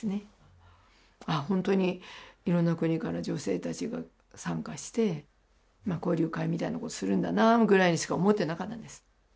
あっほんとにいろんな国から女性たちが参加して交流会みたいなことするんだなぐらいにしか思ってなかったんです。